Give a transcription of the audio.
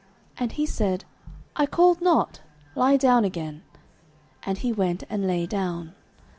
And he said, I called not; lie down again. And he went and lay down.